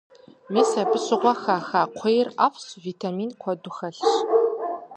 Мис абы щыгъуэ хаха кхъуейр ӏэфӏщ, витамин куэду хэлъщ.